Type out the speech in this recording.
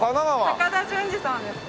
高田純次さんですか？